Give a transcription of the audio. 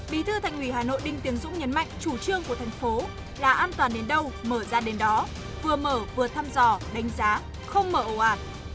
bí thư thành ủy hà nội đinh tiến dũng nhấn mạnh chủ trương của thành phố là an toàn đến đâu mở ra đến đó vừa mở vừa thăm dò đánh giá không mở ồ ạt